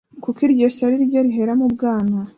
kuko iryo shyari ryo rihera mu bwana.